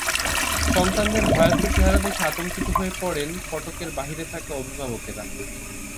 সন্তানদের ভয়ার্ত চেহারা দেখে আতঙ্কিত হয়ে পড়েন ফটকের বাইরে থাকা অভিভাবকেরা।